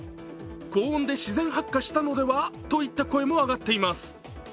高温で自然発火したのでは？といった声も上がっています。